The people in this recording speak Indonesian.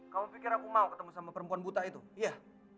kamu pikir aku mau ketemu sama perempuan buta itu iya